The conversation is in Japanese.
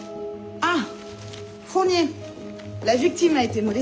あっ。